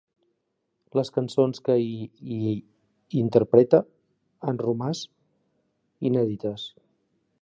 Les cançons que hi interpreta han romàs inèdites.